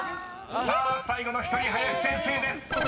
［さあ最後の１人林先生です］